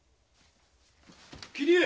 桐江！